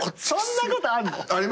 そんなことあんの？